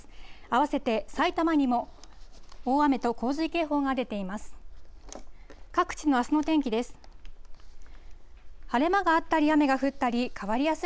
あわせて埼玉にも大雨と洪水警報が出ています。